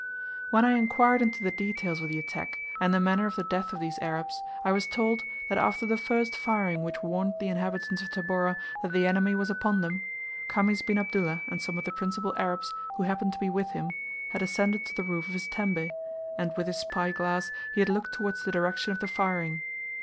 When I inquired into the details of the attack, and the manner of the death of these Arabs, I was told that after the first firing which warned the inhabitants of Tabora that the enemy was upon them, Khamis bin Abdullah and some of the principal Arabs who happened to be with him had ascended to the roof of his tembe, and with his spyglass he had looked towards the direction of the firing.